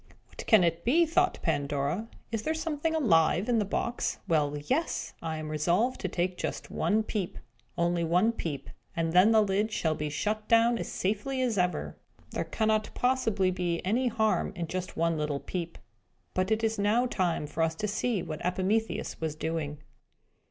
"What can it be?" thought Pandora. "Is there something alive in the box? Well yes! I am resolved to take just one peep! Only one peep; and then the lid shall be shut down as safely as ever! There cannot possibly be any harm in just one little peep!" But it is now time for us to see what Epimetheus was doing.